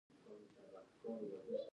نور ويلو ته څه نه پاتې کېږي.